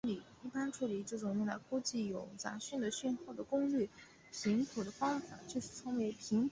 一般处理这种用来估计有杂讯的讯号的功率频谱的方法就称为频谱估计。